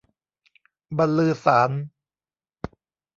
บันลือสาส์น